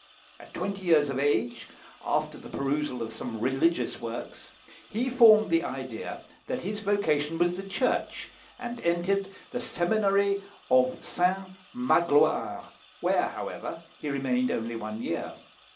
At twenty years of age, after the perusal of some religious works, he formed the idea that his vocation was the Church, and entered the seminary of Saint Magloire, where, however, he remained only one year.